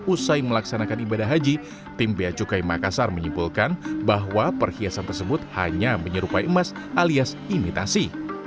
usai melaksanakan ibadah haji tim beacukai makassar menyimpulkan bahwa perhiasan tersebut hanya menyerupai emas alias imitasi